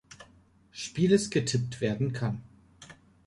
Spieles getippt werden kann.